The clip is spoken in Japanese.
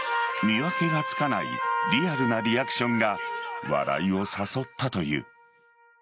見分けがつかないリアルなリアクションが笑いを誘ったという。